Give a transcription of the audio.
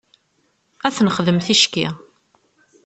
Ad t-nexdem ticki.